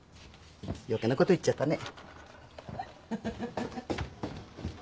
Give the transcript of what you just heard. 余計なこと言っちゃったね。